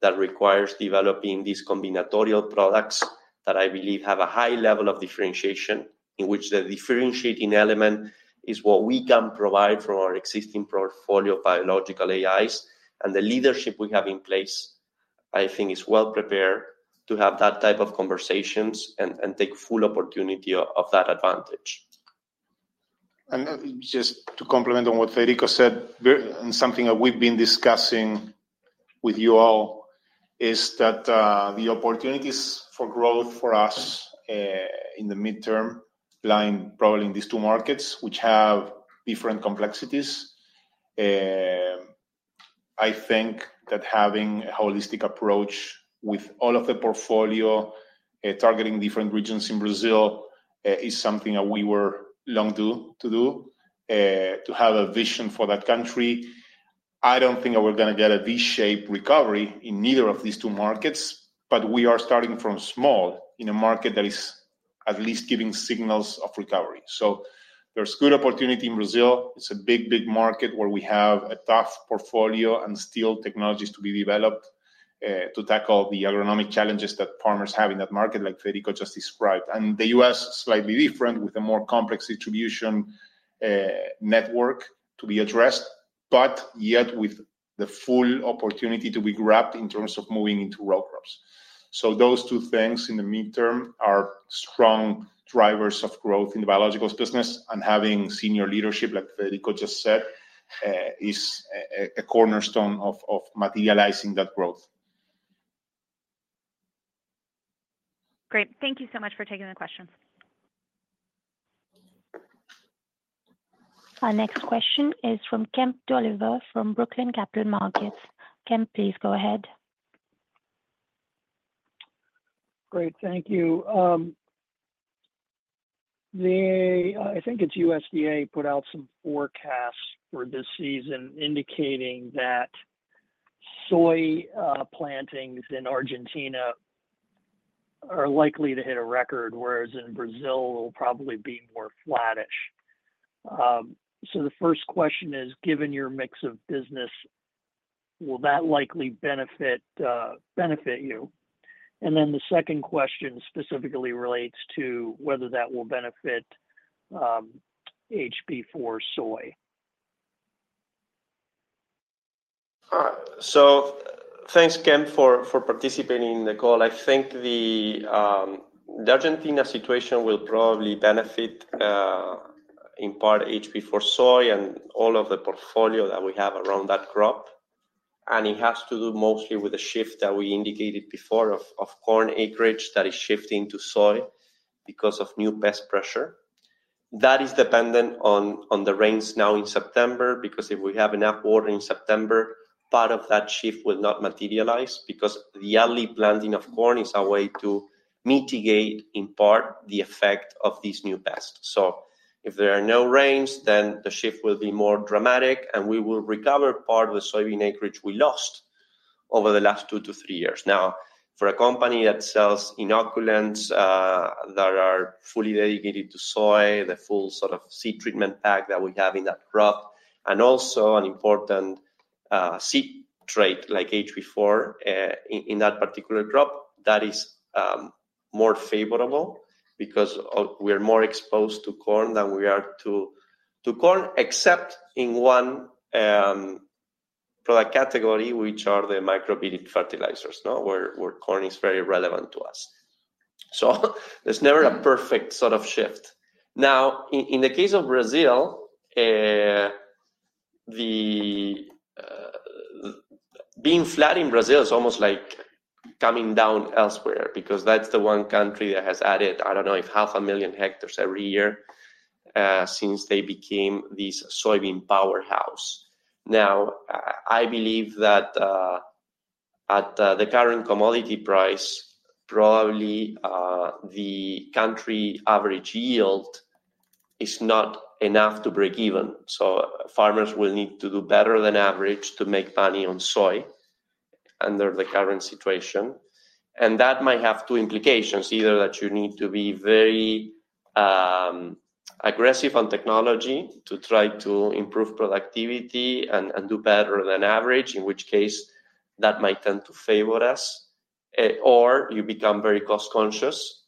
that requires developing these combinatorial products that I believe have a high level of differentiation, in which the differentiating element is what we can provide from our existing portfolio of biological AIs. The leadership we have in place, I think, is well prepared to have that type of conversations and take full opportunity of that advantage. Just to complement on what Federico said, something that we've been discussing with you all is that the opportunities for growth for us in the midterm lie probably in these two markets, which have different complexities. I think that having a holistic approach with all of the portfolio targeting different regions in Brazil is something that we were long overdue to do to have a vision for that country. I don't think that we're gonna get a V-shaped recovery in neither of these two markets, but we are starting from small in a market that is at least giving signals of recovery. So there's good opportunity in Brazil. It's a big, big market where we have a tough portfolio and still technologies to be developed to tackle the agronomic challenges that farmers have in that market, like Federico just described. And the U.S. is slightly different, with a more complex distribution network to be addressed, but yet with the full opportunity to be grabbed in terms of moving into row crops. So those two things in the midterm are strong drivers of growth in the biologicals business, and having senior leadership, like Federico just said, is a cornerstone of materializing that growth. Great. Thank you so much for taking the questions. Our next question is from Kemp Dolliver, from Brookline Capital Markets. Kemp, please go ahead. Great, thank you. I think it's the USDA put out some forecasts for this season, indicating that soy plantings in Argentina are likely to hit a record, whereas in Brazil, it will probably be more flattish, so the first question is, given your mix of business, will that likely benefit you, and then the second question specifically relates to whether that will benefit HB4 soy. So thanks, Kemp, for participating in the call. I think the Argentina situation will probably benefit in part HB4 soy and all of the portfolio that we have around that crop. It has to do mostly with the shift that we indicated before of corn acreage that is shifting to soy because of new pest pressure. That is dependent on the rains now in September, because if we have enough water in September, part of that shift will not materialize because the early planting of corn is a way to mitigate in part the effect of these new pests. If there are no rains, then the shift will be more dramatic, and we will recover part of the soybean acreage we lost over the last two to three years. Now, for a company that sells inoculants that are fully dedicated to soy, the full sort of seed treatment pack that we have in that crop, and also an important seed trait like HB4 in that particular crop, that is more favorable because we're more exposed to corn than we are to corn, except in one product category, which are the microbial fertilizers, no? Where corn is very relevant to us. So there's never a perfect sort of shift. Now, in the case of Brazil, the being flat in Brazil is almost like coming down elsewhere, because that's the one country that has added, I don't know, if 500,000 hectares every year since they became this soybean powerhouse. Now, I believe that at the current commodity price, probably, the country average yield is not enough to break even. So farmers will need to do better than average to make money on soy under the current situation, and that might have two implications: either that you need to be very aggressive on technology to try to improve productivity and do better than average, in which case that might tend to favor us. Or you become very cost-conscious,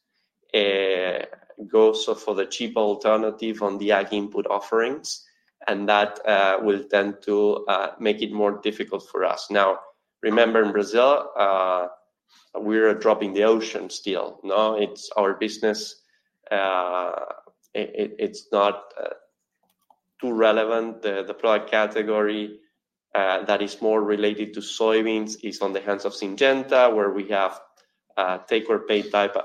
go for the cheap alternative on the ag input offerings, and that will tend to make it more difficult for us. Now, remember, in Brazil, we're a drop in the ocean still. Now, it's our business, it's not too relevant. The product category that is more related to soybeans is in the hands of Syngenta, where we have take or pay type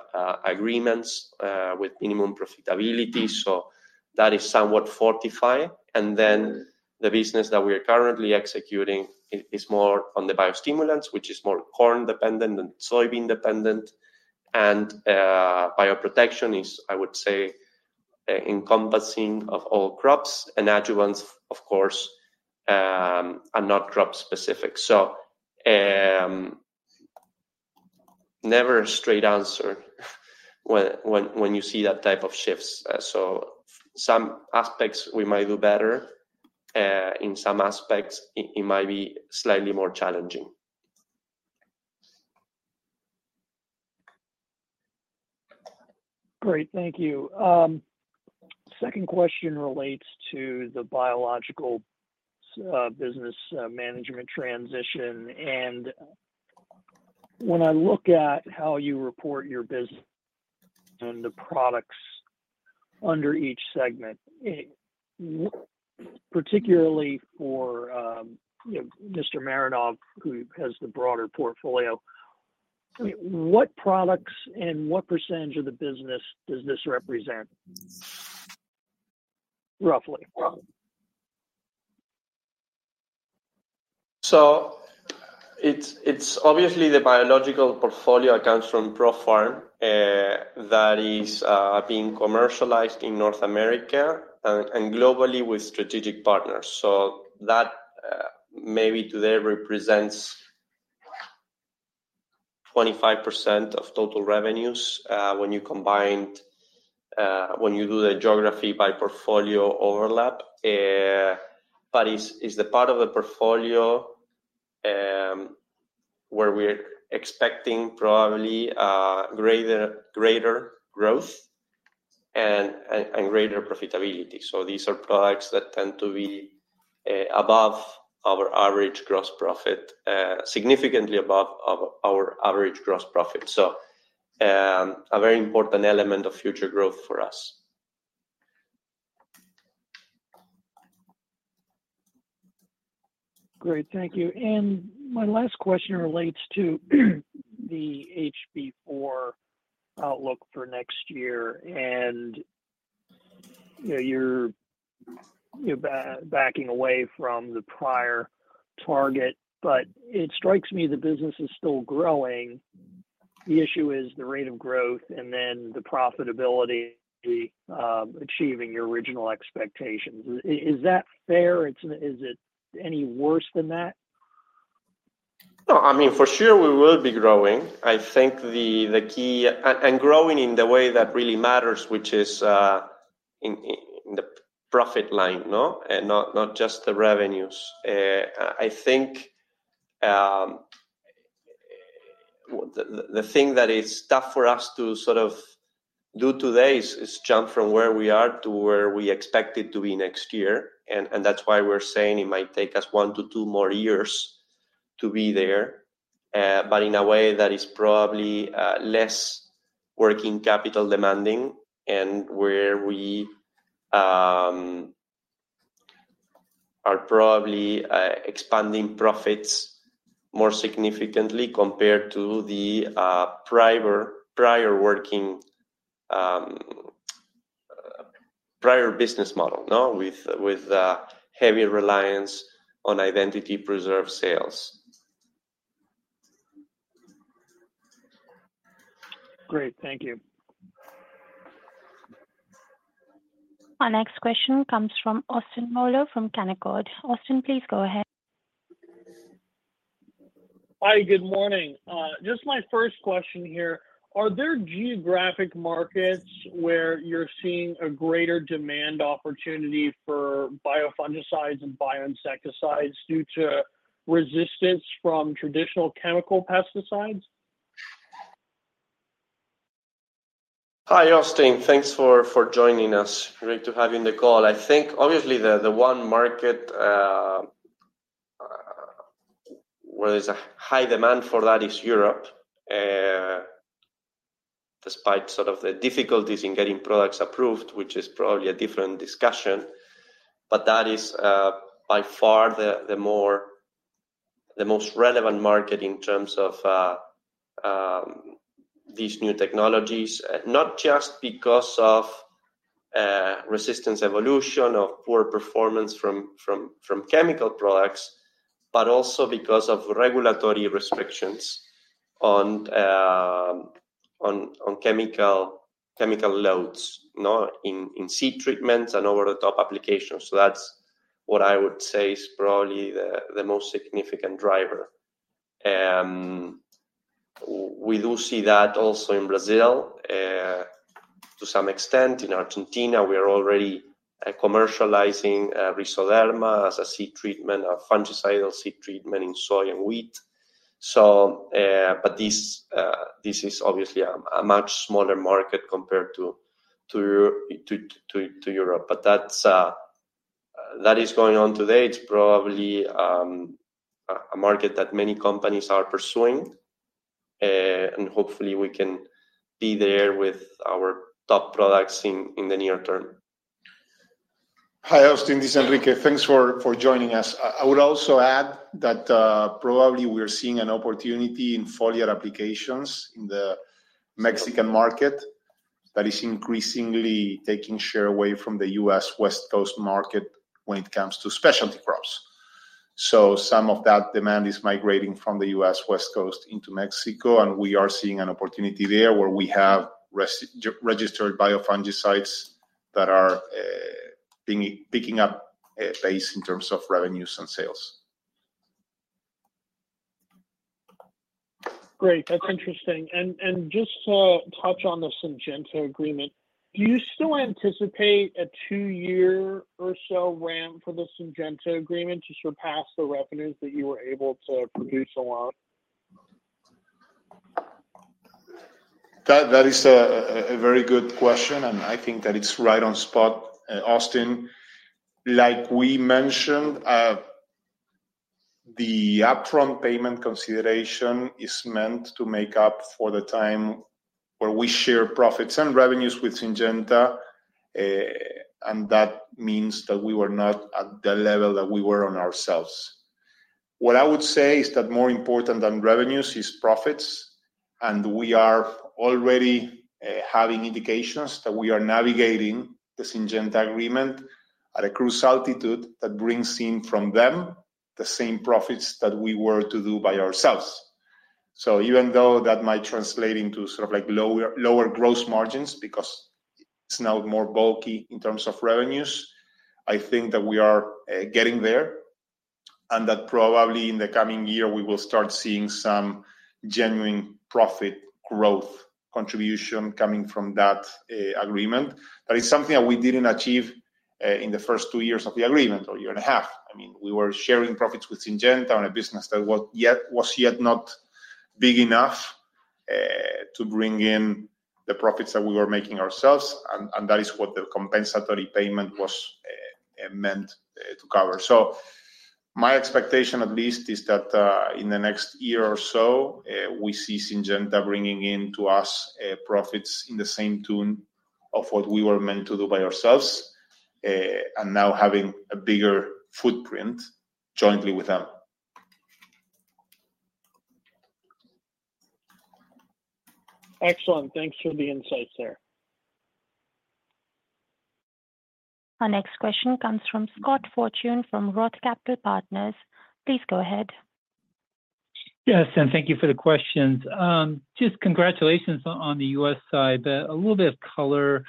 agreements with minimum profitability, so that is somewhat fortified, and then the business that we are currently executing is more on the biostimulants, which is more corn dependent than soybean dependent. And bioprotection is, I would say, encompassing of all crops, and adjuvants, of course, are not crop specific. So never a straight answer when you see that type of shifts, so some aspects we might do better, in some aspects, it might be slightly more challenging. Great, thank you. Second question relates to the biological business management transition. And when I look at how you report your business and the products under each segment, particularly for Mr. Marrone, who has the broader portfolio, what products and what percentage of the business does this represent, roughly? It's obviously the biological portfolio comes from ProFarm, that is being commercialized in North America and globally with strategic partners. So that maybe today represents 25% of total revenues, when you do the geography by portfolio overlap. But it's the part of the portfolio, where we're expecting probably greater growth and greater profitability. So these are products that tend to be above our average gross profit, significantly above our average gross profit. So a very important element of future growth for us. Great, thank you. And my last question relates to the HB4 outlook for next year. And you're backing away from the prior target, but it strikes me the business is still growing. The issue is the rate of growth and then the profitability achieving your original expectations. Is that fair? Is it any worse than that? No, I mean, for sure, we will be growing. I think the key and growing in the way that really matters, which is in the profit line, no? And not just the revenues. I think the thing that is tough for us to sort of do today is jump from where we are to where we expect it to be next year. And that's why we're saying it might take us one to two more years to be there, but in a way that is probably less working capital demanding and where we are probably expanding profits more significantly compared to the prior business model, no? With heavy reliance on identity preserved sales. Great, thank you. Our next question comes from Austin Moeller from Canaccord. Austin, please go ahead. Hi, good morning. Just my first question here, are there geographic markets where you're seeing a greater demand opportunity for biofungicides and bioinsecticides due to resistance from traditional chemical pesticides? Hi, Austin. Thanks for joining us. Great to have you in the call. I think obviously the one market where there's a high demand for that is Europe. Despite sort of the difficulties in getting products approved, which is probably a different discussion, but that is by far the most relevant market in terms of these new technologies. Not just because of resistance evolution or poor performance from chemical products, but also because of regulatory restrictions on chemical loads in seed treatments and over-the-top applications. So that's what I would say is probably the most significant driver. We do see that also in Brazil to some extent. In Argentina, we are already commercializing Rizoderma as a seed treatment, a fungicidal seed treatment in soy and wheat. But this is obviously a much smaller market compared to Europe. But that's going on today. It's probably a market that many companies are pursuing, and hopefully we can be there with our top products in the near term. Hi, Austin, this is Enrique. Thanks for joining us. I would also add that probably we are seeing an opportunity in foliar applications in the Mexican market that is increasingly taking share away from the U.S. West Coast market when it comes to specialty crops. Some of that demand is migrating from the U.S. West Coast into Mexico, and we are seeing an opportunity there where we have registered biofungicides that are picking up a pace in terms of revenues and sales. Great. That's interesting. And just to touch on the Syngenta agreement, do you still anticipate a two-year or so ramp for the Syngenta agreement to surpass the revenues that you were able to produce alone? That is a very good question, and I think that it's right on spot, Austin. Like we mentioned, the upfront payment consideration is meant to make up for the time where we share profits and revenues with Syngenta, and that means that we were not at the level that we were on ourselves. What I would say is that more important than revenues is profits, and we are already having indications that we are navigating the Syngenta agreement at a cruise altitude that brings in from them the same profits that we were to do by ourselves. So even though that might translate into sort of like lower gross margins, because it's now more bulky in terms of revenues, I think that we are getting there, and that probably in the coming year, we will start seeing some genuine profit growth contribution coming from that agreement. That is something that we didn't achieve in the first two years of the agreement, or a year and a half. I mean, we were sharing profits with Syngenta on a business that was yet not big enough to bring in the profits that we were making ourselves, and that is what the compensatory payment was meant to cover. So my expectation, at least, is that, in the next year or so, we see Syngenta bringing in to us, profits in the same tune of what we were meant to do by ourselves, and now having a bigger footprint jointly with them. Excellent. Thanks for the insights there. Our next question comes from Scott Fortune from Roth Capital Partners. Please go ahead. Yes, and thank you for the questions. Just congratulations on the U.S. side, but a little bit of color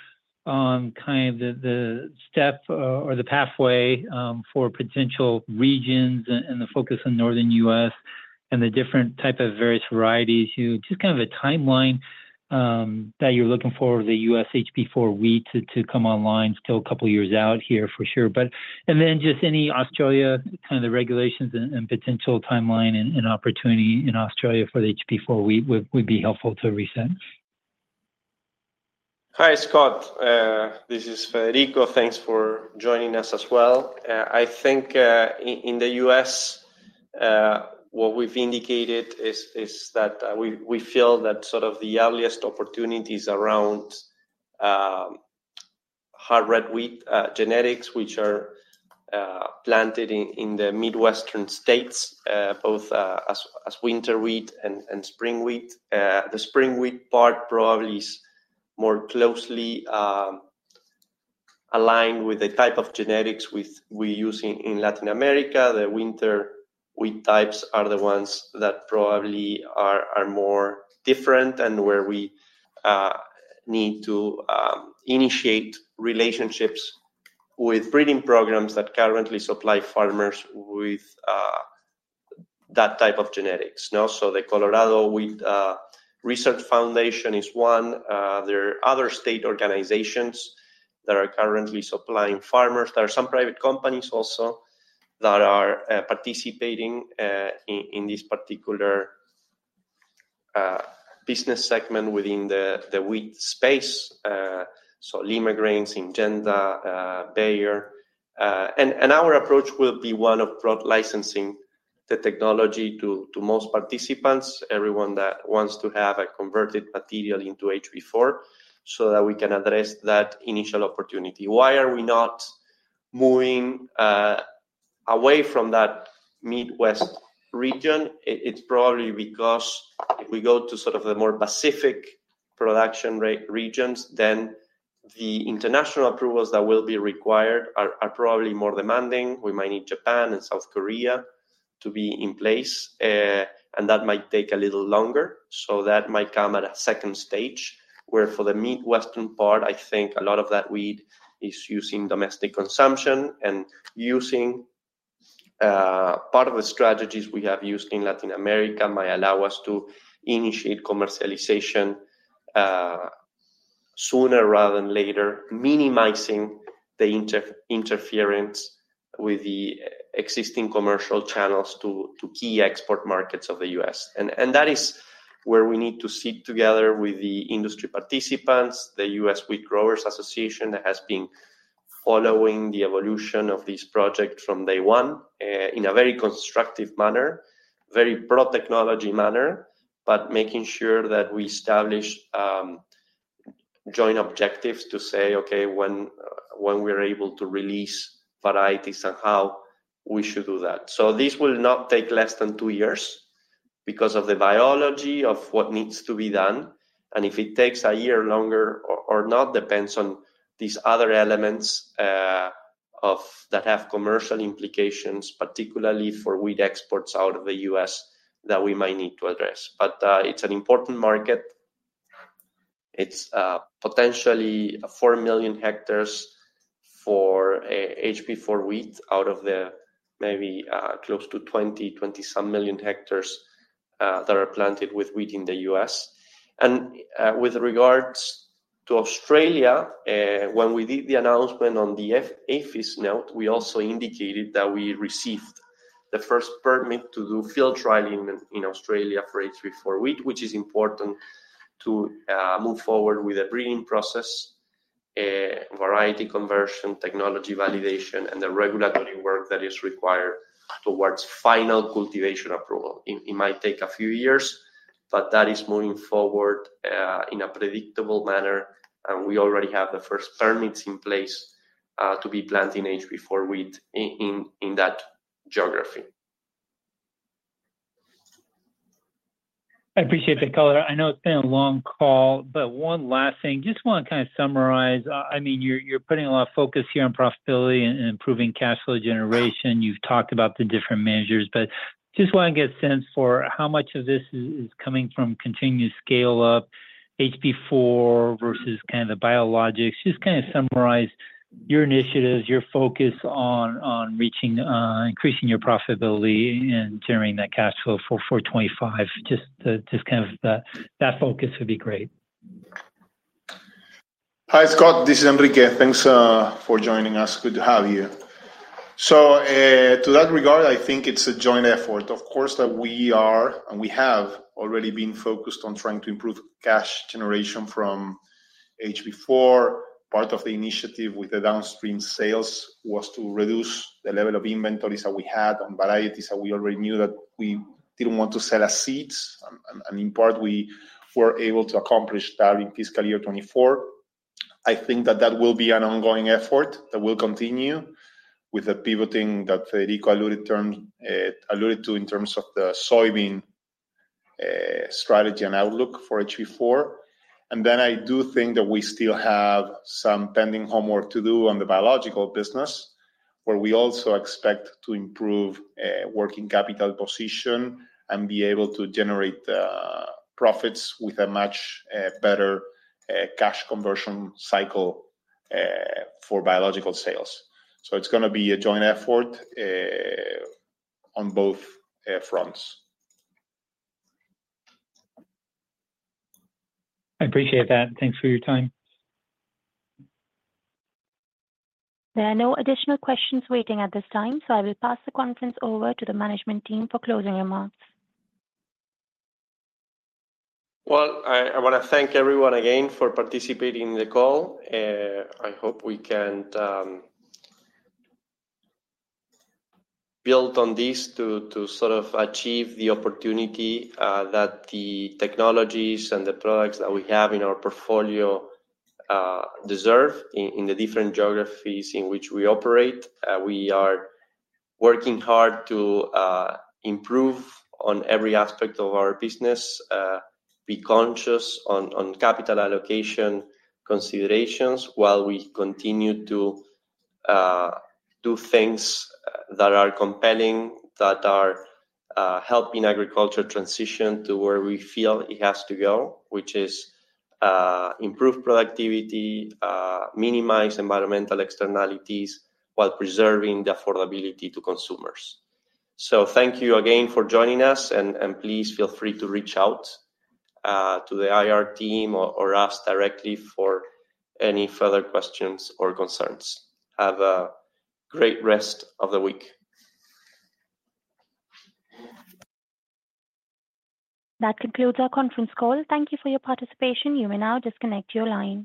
on kind of the step or the pathway for potential regions and the focus on northern U.S. and the different type of various varieties. Just kind of a timeline that you're looking for the U.S. HB4 wheat to come online. Still a couple of years out here for sure, but. And then just any Australia, kind of the regulations and potential timeline and opportunity in Australia for the HB4 wheat would be helpful to reset. Hi, Scott. This is Federico. Thanks for joining us as well. I think in the U.S., what we've indicated is that we feel that sort of the earliest opportunities around hard red wheat genetics, which are planted in the Midwestern states, both as winter wheat and spring wheat. The spring wheat part probably is more closely aligned with the type of genetics we use in Latin America. The winter wheat types are the ones that probably are more different and where we need to initiate relationships with breeding programs that currently supply farmers with that type of genetics. The Colorado Wheat Research Foundation is one. There are other state organizations that are currently supplying farmers. There are some private companies also that are participating in this particular business segment within the wheat space, so Limagrain, Syngenta, Bayer, and our approach will be one of broad licensing the technology to most participants, everyone that wants to have a converted material into HB4, so that we can address that initial opportunity. Why are we not moving away from that Midwest region? It's probably because if we go to sort of the more Pacific production regions, then the international approvals that will be required are probably more demanding. We might need Japan and South Korea to be in place, and that might take a little longer. So that might come at a second stage, where for the Midwestern part, I think a lot of that wheat is used in domestic consumption. And using part of the strategies we have used in Latin America might allow us to initiate commercialization sooner rather than later, minimizing the interference with the existing commercial channels to key export markets of the U.S. And that is where we need to sit together with the industry participants. The National Association of Wheat Growers has been following the evolution of this project from day one in a very constructive manner, very broad technology manner, but making sure that we establish joint objectives to say, "Okay, when we are able to release varieties and how we should do that." So this will not take less than two years because of the biology of what needs to be done, and if it takes a year longer or not, depends on these other elements of. That have commercial implications, particularly for wheat exports out of the U.S., that we might need to address. But, it's an important market. It's potentially four million hectares for HB4 wheat out of the maybe close to 20, 20 some million hectares that are planted with wheat in the U.S. And, with regards to Australia, when we did the announcement on the APHIS note, we also indicated that we received the first permit to do field trialing in Australia for HB4 wheat, which is important to move forward with the breeding process, variety conversion, technology validation, and the regulatory work that is required towards final cultivation approval. It might take a few years, but that is moving forward in a predictable manner, and we already have the first permits in place to be planting HB4 wheat in that geography. I appreciate the color. I know it's been a long call, but one last thing. Just want to kind of summarize. I mean, you're putting a lot of focus here on profitability and improving cash flow generation. You've talked about the different measures, but just want to get a sense for how much of this is coming from continuous scale-up, HB4 versus kind of the biologics. Just kind of summarize your initiatives, your focus on reaching increasing your profitability and generating that cash flow for 25. Just kind of the, that focus would be great. Hi, Scott, this is Enrique. Thanks for joining us. Good to have you. So, to that regard, I think it's a joint effort, of course, that we are, and we have already been focused on trying to improve cash generation from HB4. Part of the initiative with the downstream sales was to reduce the level of inventories that we had on varieties that we already knew that we didn't want to sell as seeds. And in part, we were able to accomplish that in fiscal year '24. I think that that will be an ongoing effort that will continue with the pivoting that Federico alluded to in terms of the soybean. Strategy and outlook for HB4. And then I do think that we still have some pending homework to do on the biological business, where we also expect to improve, working capital position and be able to generate, profits with a much, better, cash conversion cycle, for biological sales. So it's gonna be a joint effort, on both, fronts. I appreciate that. Thanks for your time. There are no additional questions waiting at this time, so I will pass the conference over to the management team for closing remarks. I wanna thank everyone again for participating in the call. I hope we can build on this to sort of achieve the opportunity that the technologies and the products that we have in our portfolio deserve in the different geographies in which we operate. We are working hard to improve on every aspect of our business, be conscious on capital allocation considerations, while we continue to do things that are compelling, that are helping agriculture transition to where we feel it has to go, which is improve productivity, minimize environmental externalities, while preserving the affordability to consumers. Thank you again for joining us, and please feel free to reach out to the IR team or us directly for any further questions or concerns. Have a great rest of the week. That concludes our conference call. Thank you for your participation. You may now disconnect your line.